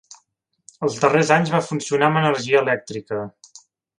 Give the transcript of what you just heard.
Els darrers anys va funcionar amb energia elèctrica.